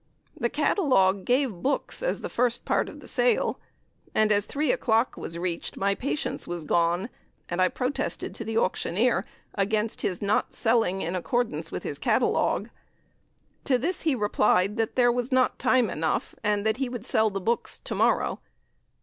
The catalogue gave books as the first part of the sale, and, as three o'clock was reached, my patience was gone, and I protested to the auctioneer against his not selling in accordance with his catalogue. To this he replied that there was not time enough, and that he would sell the books to morrow!